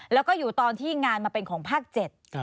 แล้วก็อยู่ตอนที่งานมาเป็นของภาค๗